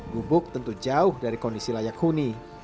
gubuk tentu jauh dari kondisi layak huni